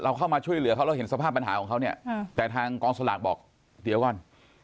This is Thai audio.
เข้ามาช่วยเหลือเขาเราเห็นสภาพปัญหาของเขาเนี่ยแต่ทางกองสลากบอกเดี๋ยวก่อน